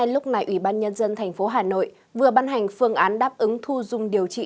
lúc này ủy ban nhân dân tp hà nội vừa ban hành phương án đáp ứng thu dung điều trị